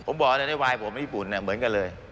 ผมบอกเลยได้วายผมญี่ปุ่นเหมือนกันเลย